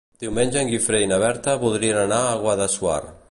Diumenge en Guifré i na Berta voldrien anar a Guadassuar.